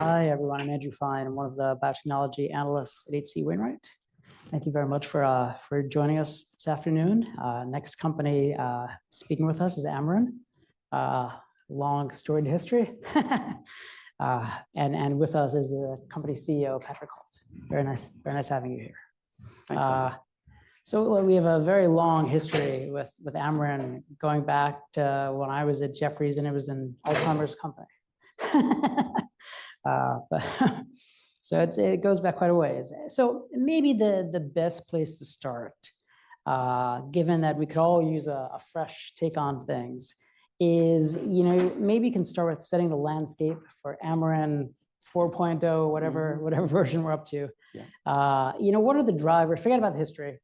Hi, everyone. I'm Andrew Fein. I'm one of the biotechnology analysts at H.C. Wainwright. Thank you very much for, for joining us this afternoon. Next company, speaking with us is Amarin. Long, storied history. And, and with us is the company's CEO, Patrick Holt. Very nice, very nice having you here. Thank you. So we have a very long history with Amarin, going back to when I was at Jefferies, and it was an Alzheimer's company. So it goes back quite a ways. So maybe the best place to start, given that we could all use a fresh take on things, is, you know, maybe we can start with setting the landscape for Amarin 4.0, whatever- Mm-hmm... whatever version we're up to. Yeah. You know, what are the drivers? Forget about the history,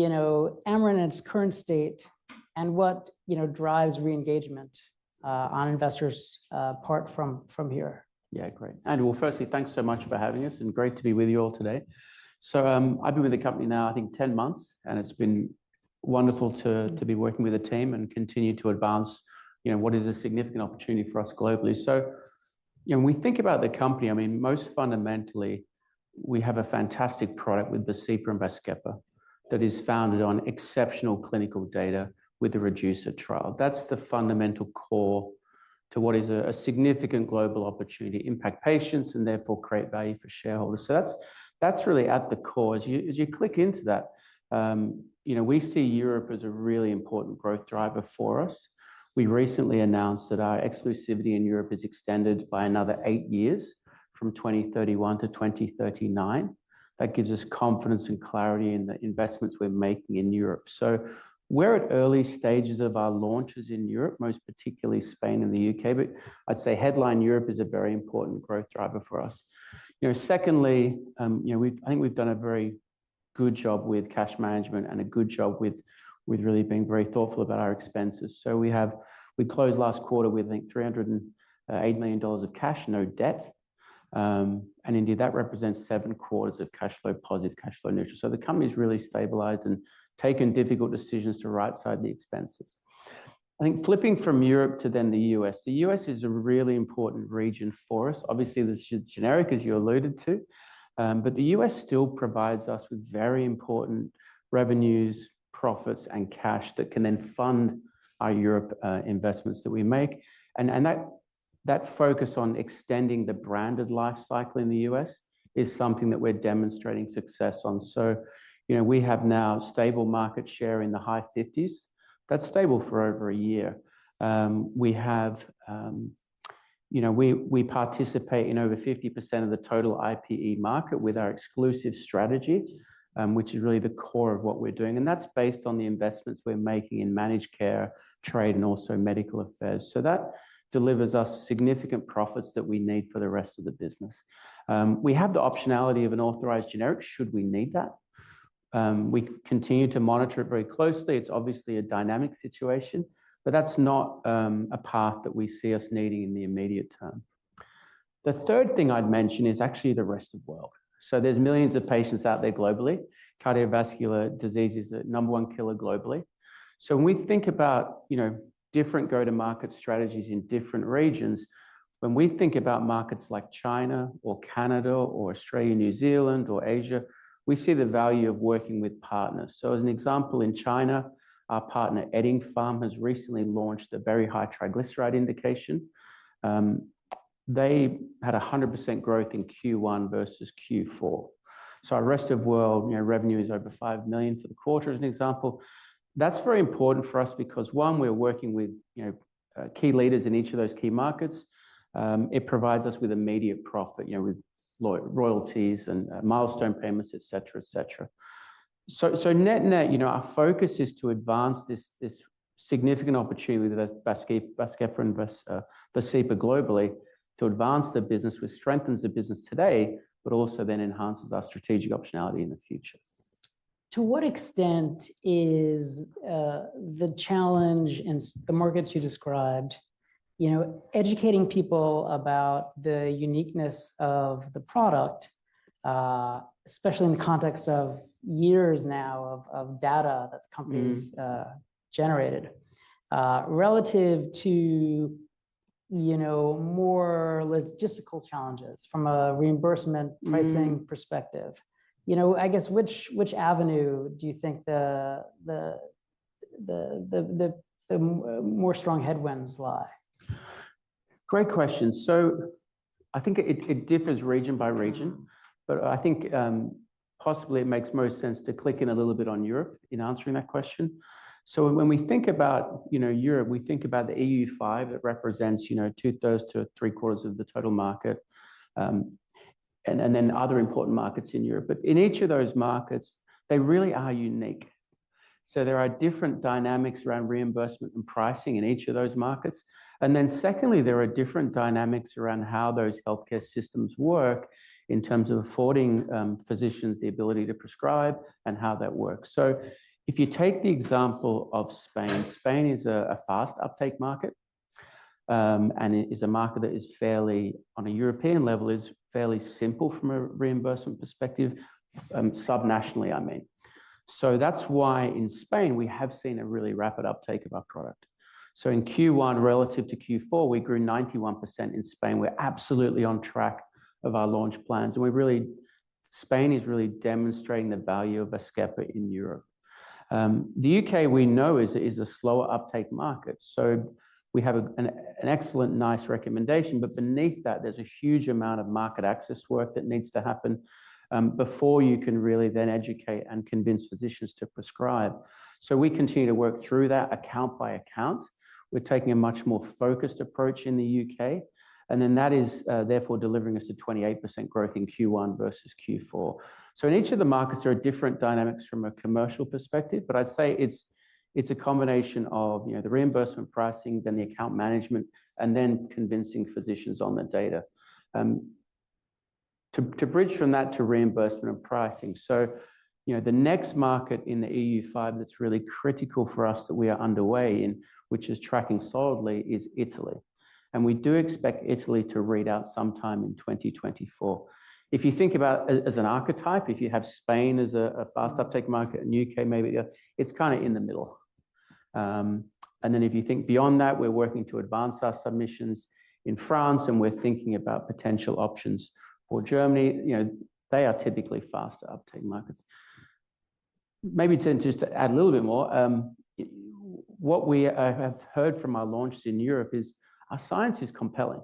you know, Amarin in its current state, and what, you know, drives re-engagement on investors' part from here? Yeah, great. Andrew, firstly, thanks so much for having us, and great to be with you all today. So, I've been with the company now, I think 10 months, and it's been wonderful to, to be working with the team and continue to advance, you know, what is a significant opportunity for us globally. So, you know, when we think about the company, I mean, most fundamentally, we have a fantastic product with Vascepa and Vazkepa that is founded on exceptional clinical data with the REDUCE-IT trial. That's the fundamental core to what is a significant global opportunity to impact patients and therefore create value for shareholders. So that's really at the core. As you, as you click into that, you know, we see Europe as a really important growth driver for us. We recently announced that our exclusivity in Europe is extended by another eight years, from 2031 to 2039. That gives us confidence and clarity in the investments we're making in Europe. So we're at early stages of our launches in Europe, most particularly Spain and the U.K., but I'd say headline, Europe is a very important growth driver for us. You know, secondly, you know, we've I think we've done a very good job with cash management and a good job with really being very thoughtful about our expenses. So we closed last quarter with, I think, $308 million of cash, no debt. And indeed, that represents seven quarters of cash flow, positive cash flow neutral. So the company's really stabilized and taken difficult decisions to right-size the expenses. I think flipping from Europe to then the US, the US is a really important region for us. Obviously, there's generic, as you alluded to, but the US still provides us with very important revenues, profits, and cash that can then fund our Europe, investments that we make. And that focus on extending the branded life cycle in the US is something that we're demonstrating success on. So, you know, we have now stable market share in the high 50s. That's stable for over a year. We have, you know, we participate in over 50% of the total IPE market with our exclusive strategy, which is really the core of what we're doing. And that's based on the investments we're making in managed care, trade, and also medical affairs. So that delivers us significant profits that we need for the rest of the business. We have the optionality of an authorized generic, should we need that. We continue to monitor it very closely. It's obviously a dynamic situation, but that's not a path that we see us needing in the immediate term. The third thing I'd mention is actually the rest of the world. So there's millions of patients out there globally. Cardiovascular disease is the number one killer globally. So when we think about, you know, different go-to-market strategies in different regions, when we think about markets like China or Canada or Australia, New Zealand or Asia, we see the value of working with partners. So as an example, in China, our partner, Eddingpharm, has recently launched a very high triglyceride indication. They had 100% growth in Q1 versus Q4. So our rest of world, you know, revenue is over $5 million for the quarter, as an example. That's very important for us because, one, we're working with, you know, key leaders in each of those key markets. It provides us with immediate profit, you know, with royalties and, milestone payments, et cetera, et cetera. So, so net-net, you know, our focus is to advance this, this significant opportunity with Vascepa, Vazkepa and Vascepa globally, to advance the business, which strengthens the business today, but also then enhances our strategic optionality in the future. To what extent is the challenge in the markets you described, you know, educating people about the uniqueness of the product, especially in the context of years now of data that the company's? Mm-hmm... generated, relative to, you know, more logistical challenges from a reimbursement- Mm-hmm... pricing perspective? You know, I guess which avenue do you think the more strong headwinds lie? Great question. So I think it, it differs region by region, but I think, possibly it makes most sense to click in a little bit on Europe in answering that question. So when we think about, you know, Europe, we think about the EU5 that represents, you know, two-thirds to three-quarters of the total market, and, and then other important markets in Europe. But in each of those markets, they really are unique. So there are different dynamics around reimbursement and pricing in each of those markets. And then secondly, there are different dynamics around how those healthcare systems work in terms of affording, physicians the ability to prescribe and how that works. So if you take the example of Spain, Spain is a fast uptake market, and it is a market that is fairly, on a European level, is fairly simple from a reimbursement perspective, subnationally, I mean. So that's why in Spain, we have seen a really rapid uptake of our product. So in Q1 relative to Q4, we grew 91% in Spain. We're absolutely on track of our launch plans, and we really, Spain is really demonstrating the value of Vascepa in Europe. The UK, we know, is a slower uptake market, so we have an excellent NICE recommendation, but beneath that, there's a huge amount of market access work that needs to happen, before you can really then educate and convince physicians to prescribe. So we continue to work through that account by account. We're taking a much more focused approach in the UK, and then that is therefore delivering us a 28% growth in Q1 versus Q4. So in each of the markets, there are different dynamics from a commercial perspective, but I'd say it's a combination of, you know, the reimbursement pricing, then the account management, and then convincing physicians on the data. To bridge from that to reimbursement and pricing, so, you know, the next market in the EU5 that's really critical for us, that we are underway in, which is tracking solidly, is Italy, and we do expect Italy to read out sometime in 2024. If you think about an archetype, if you have Spain as a fast uptake market and UK, maybe the... It's kinda in the middle. And then if you think beyond that, we're working to advance our submissions in France, and we're thinking about potential options for Germany. You know, they are typically faster uptake markets. Maybe to just add a little bit more, what we have heard from our launches in Europe is our science is compelling.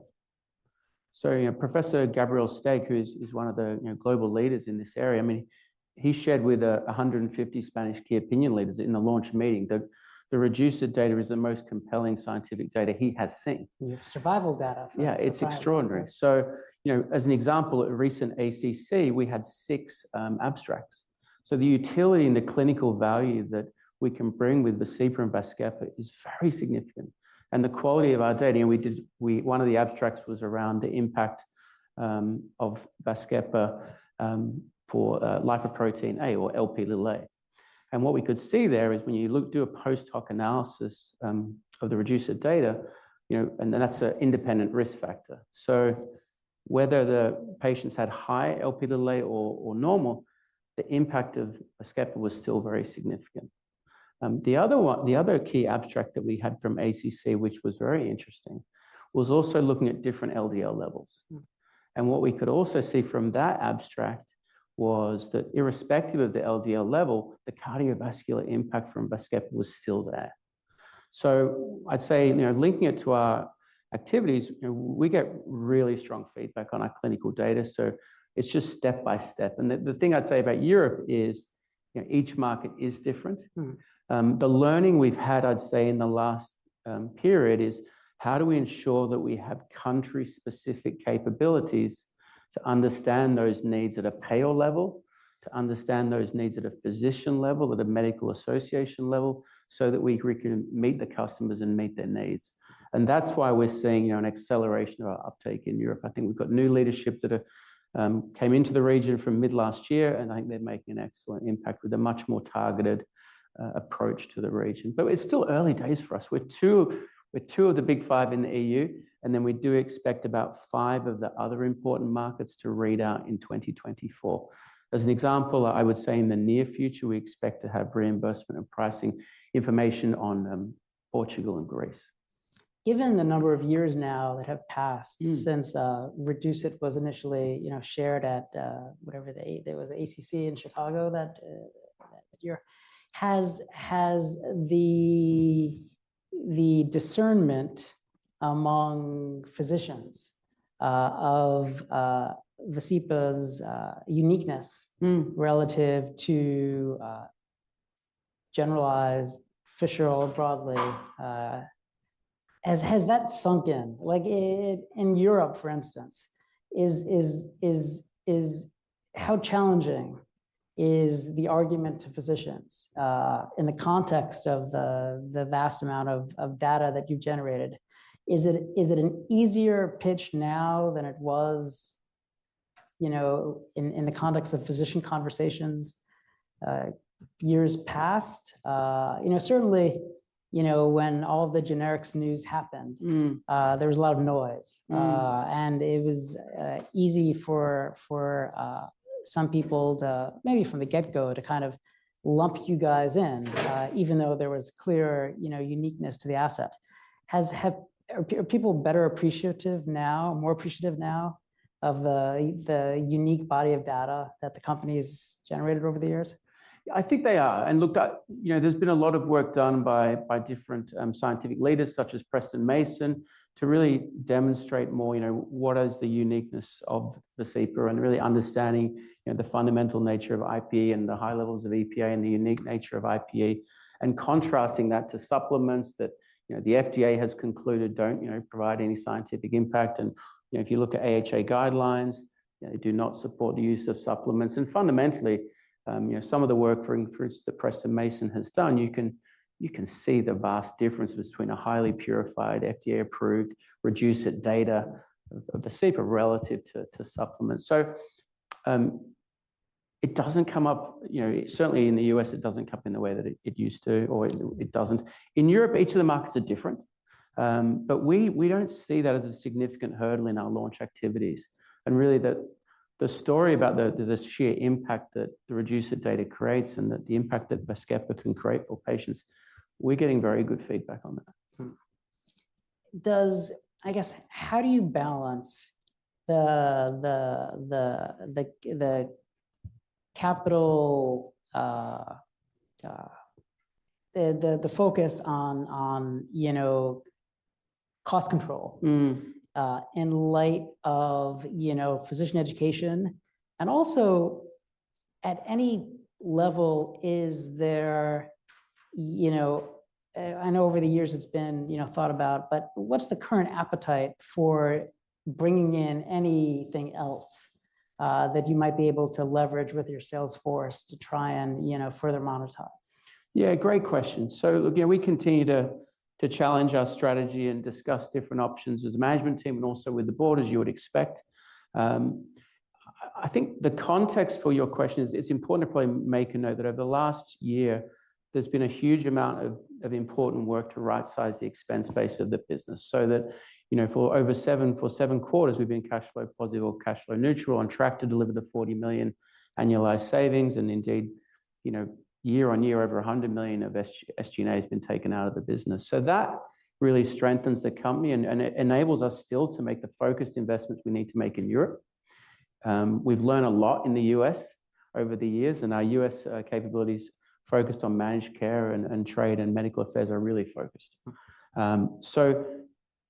So, you know, Professor Gabriel Steg, who is one of the global leaders in this area, I mean, he shared with 150 Spanish key opinion leaders in the launch meeting, that the REDUCE-IT data is the most compelling scientific data he has seen. You have survival data from- Yeah, it's extraordinary. So, you know, as an example, at recent ACC, we had 6 abstracts. So the utility and the clinical value that we can bring with Vascepa and Vascepa is very significant, and the quality of our data, one of the abstracts was around the impact of Vascepa for lipoprotein(a) or Lp(a). And what we could see there is when you look, do a post-hoc analysis of the REDUCE-IT data, you know, and then that's an independent risk factor. So whether the patients had high Lp(a) or normal, the impact of Vascepa was still very significant. The other one, the other key abstract that we had from ACC, which was very interesting, was also looking at different LDL levels. Mm. What we could also see from that abstract was that irrespective of the LDL level, the cardiovascular impact from Vascepa was still there. So I'd say, you know, linking it to our activities, you know, we get really strong feedback on our clinical data, so it's just step by step. And the thing I'd say about Europe is, you know, each market is different. Mm. The learning we've had, I'd say, in the last period, is how do we ensure that we have country-specific capabilities to understand those needs at a payer level, to understand those needs at a physician level, at a medical association level, so that we can meet the customers and meet their needs? And that's why we're seeing, you know, an acceleration of our uptake in Europe. I think we've got new leadership that came into the region from mid-last year, and I think they're making an excellent impact with a much more targeted approach to the region. But it's still early days for us. We're two of the big five in the EU, and then we do expect about five of the other important markets to read out in 2024. As an example, I would say in the near future, we expect to have reimbursement and pricing information on Portugal and Greece. Given the number of years now that have passed- Mm. -since REDUCE-IT was initially, you know, shared at whatever the, there was ACC in Chicago that year, has the discernment among physicians of Vascepa's uniqueness- Mm. -relative to generalized fish oil broadly, has that sunk in? Like, in Europe, for instance, how challenging is the argument to physicians in the context of the vast amount of data that you've generated? Is it an easier pitch now than it was, you know, in the context of physician conversations years past? You know, certainly, you know, when all the generics news happened- Mm. There was a lot of noise. Mm. And it was easy for some people to, maybe from the get-go, to kind of lump you guys in, even though there was clear, you know, uniqueness to the asset. Are people better appreciative now, more appreciative now of the unique body of data that the company's generated over the years? I think they are, and look, you know, there's been a lot of work done by different scientific leaders, such as Preston Mason, to really demonstrate more, you know, what is the uniqueness of Vascepa and really understanding, you know, the fundamental nature of IPE and the high levels of EPA and the unique nature of IPE. And contrasting that to supplements that, you know, the FDA has concluded don't, you know, provide any scientific impact, and, you know, if you look at AHA guidelines, they do not support the use of supplements. And fundamentally, you know, some of the work, for instance, that Preston Mason has done, you can see the vast difference between a highly purified, FDA-approved, REDUCE-IT data of Vascepa relative to supplements. So, it doesn't come up, you know, certainly in the U.S., it doesn't come up in the way that it used to, or it doesn't. In Europe, each of the markets are different, but we don't see that as a significant hurdle in our launch activities, and really, the story about the sheer impact that the REDUCE-IT data creates and that the impact that Vascepa can create for patients, we're getting very good feedback on that.... does, I guess, how do you balance the capital, the focus on, on, you know, cost control- Mm. In light of, you know, physician education? And also, at any level, is there, you know, I know over the years it's been, you know, thought about, but what's the current appetite for bringing in anything else, that you might be able to leverage with your sales force to try and, you know, further monetize? Yeah, great question. So again, we continue to challenge our strategy and discuss different options as a management team and also with the board, as you would expect. I think the context for your question is it's important to probably make a note that over the last year, there's been a huge amount of important work to rightsize the expense base of the business so that, you know, for seven quarters, we've been cash flow positive or cash flow neutral, on track to deliver the $40 million annualized savings, and indeed, you know, year-over-year, over $100 million of SG&A has been taken out of the business. So that really strengthens the company, and it enables us still to make the focused investments we need to make in Europe. We've learned a lot in the U.S. over the years, and our U.S. capabilities focused on managed care, and trade, and medical affairs are really focused. So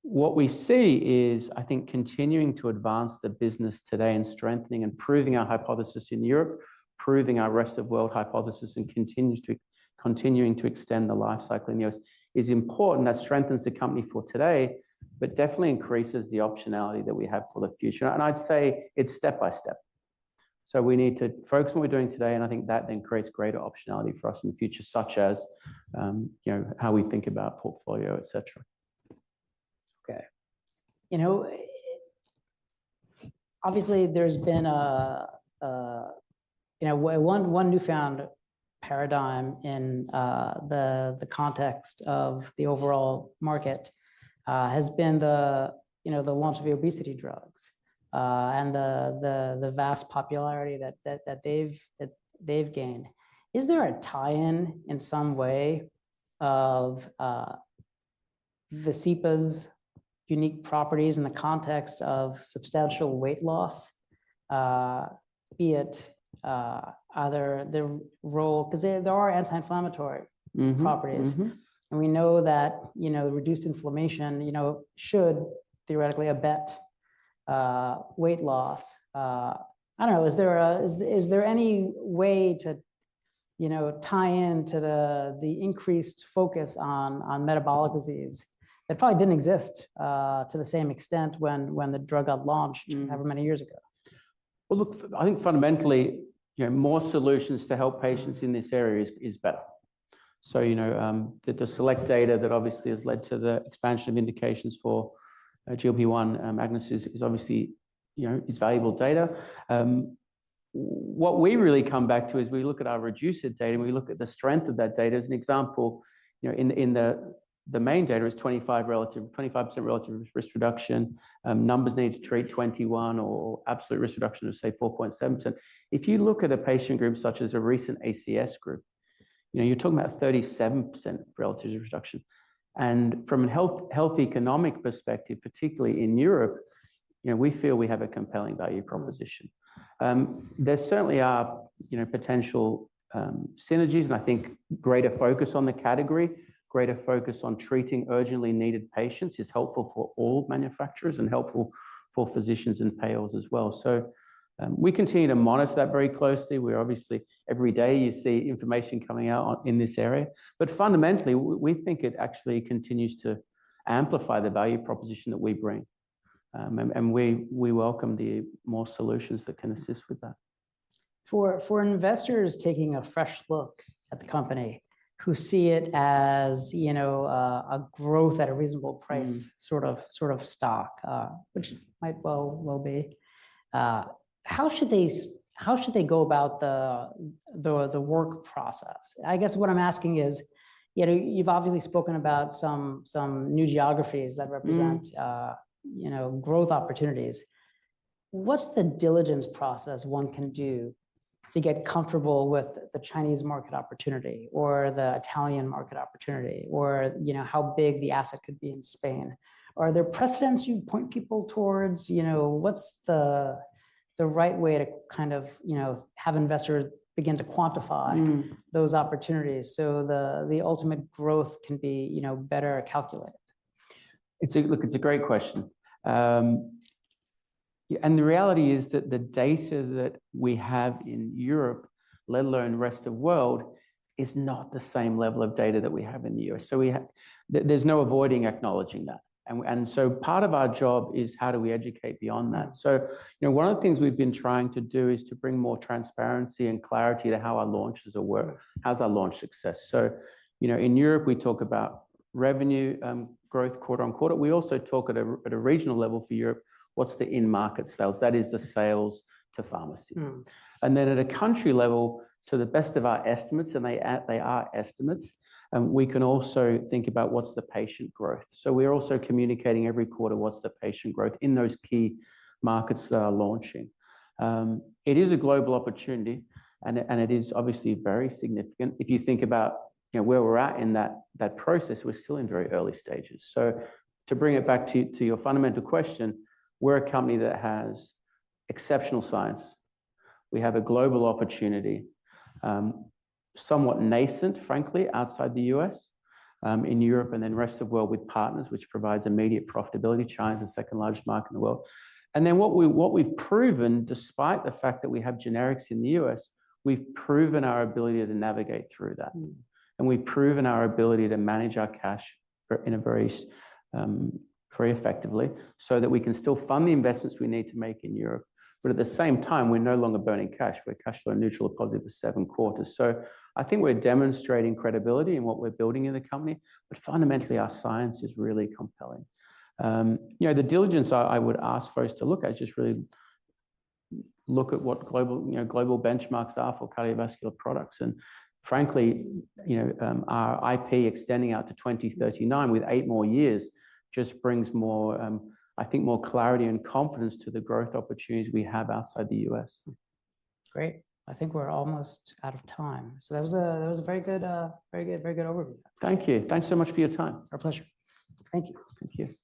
what we see is, I think, continuing to advance the business today and strengthening and proving our hypothesis in Europe, proving our rest of world hypothesis, and continuing to extend the life cycle in the U.S. is important. That strengthens the company for today, but definitely increases the optionality that we have for the future. I'd say it's step by step. So we need to focus on what we're doing today, and I think that then creates greater optionality for us in the future, such as, you know, how we think about portfolio, et cetera. Okay. You know, obviously, there's been a you know... one newfound paradigm in the context of the overall market has been the you know the launch of the obesity drugs and the vast popularity that they've gained. Is there a tie-in, in some way, of Vascepa's unique properties in the context of substantial weight loss, be it either the role 'cause they are anti-inflammatory- Mm-hmm. - properties. Mm-hmm. And we know that, you know, reduced inflammation, you know, should theoretically abet weight loss. I don't know, is there any way to, you know, tie in to the increased focus on metabolic disease? That probably didn't exist to the same extent when the drug got launched- Mm. - however many years ago. Well, look, I think fundamentally, you know, more solutions to help patients in this area is better. So, you know, the SELECT data that obviously has led to the expansion of indications for GLP-1 is obviously, you know, valuable data. What we really come back to is we look at our REDUCE-IT data, and we look at the strength of that data. As an example, you know, the main data is 25% relative risk reduction. Number needed to treat 21 or absolute risk reduction of, say, 4.7. If you look at a patient group, such as a recent ACS group, you know, you're talking about a 37% relative reduction. From a health economic perspective, particularly in Europe, you know, we feel we have a compelling value proposition. There certainly are, you know, potential synergies, and I think greater focus on the category, greater focus on treating urgently needed patients is helpful for all manufacturers and helpful for physicians and payors as well. So, we continue to monitor that very closely. We obviously, every day, you see information coming out on, in this area, but fundamentally, we think it actually continues to amplify the value proposition that we bring. And we welcome the more solutions that can assist with that. For investors taking a fresh look at the company, who see it as, you know, a growth at a reasonable price- Mm... sort of stock, which might well be, how should they go about the work process? I guess what I'm asking is, you know, you've obviously spoken about some new geographies that represent- Mm... you know, growth opportunities. What's the diligence process one can do to get comfortable with the Chinese market opportunity or the Italian market opportunity, or, you know, how big the asset could be in Spain? Are there precedents you'd point people towards? You know, what's the right way to kind of, you know, have investors begin to quantify- Mm... those opportunities so the ultimate growth can be, you know, better calculated? It's a... Look, it's a great question. Yeah, and the reality is that the data that we have in Europe, let alone rest of world, is not the same level of data that we have in the U.S. So we, there's no avoiding acknowledging that, and so part of our job is how do we educate beyond that? So, you know, one of the things we've been trying to do is to bring more transparency and clarity to how our launches are work, how's our launch success. So, you know, in Europe, we talk about revenue growth quarter-over-quarter. We also talk at a regional level for Europe, what's the in-market sales? That is the sales to pharmacy. Mm. And then at a country level, to the best of our estimates, and they are estimates, we can also think about what's the patient growth. So we're also communicating every quarter what's the patient growth in those key markets that are launching. It is a global opportunity, and it is obviously very significant. If you think about, you know, where we're at in that process, we're still in very early stages. So to bring it back to your fundamental question, we're a company that has exceptional science. We have a global opportunity, somewhat nascent, frankly, outside the US, in Europe and then rest of world with partners, which provides immediate profitability. China is the second-largest market in the world. And then what we, what we've proven, despite the fact that we have generics in the U.S., we've proven our ability to navigate through that. Mm. We've proven our ability to manage our cash for, in a very, very effectively, so that we can still fund the investments we need to make in Europe. But at the same time, we're no longer burning cash. We're cash flow neutral or positive for seven quarters. So I think we're demonstrating credibility in what we're building in the company, but fundamentally, our science is really compelling. You know, the diligence I would ask folks to look at is just really look at what global, you know, global benchmarks are for cardiovascular products, and frankly, you know, our IP extending out to 2039 with eight more years just brings more, I think, more clarity and confidence to the growth opportunities we have outside the U.S. Great. I think we're almost out of time. So that was a very good, very good overview. Thank you. Thanks so much for your time. Our pleasure. Thank you. Thank you.